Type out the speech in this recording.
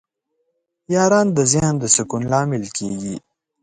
• باران د ذهن د سکون لامل کېږي.